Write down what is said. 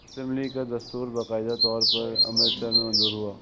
مسلم لیگ کا دستور باقاعدہ طور پر امرتسر میں منظور ہوا